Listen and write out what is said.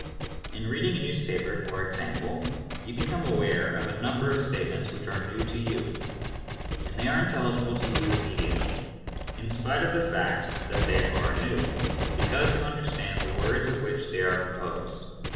In reading a newspaper, for example, you become aware of a number of statements which are new to you, and they are intelligible to you immediately, in spite of the fact that they are new, because you under stand the words of which they are composed.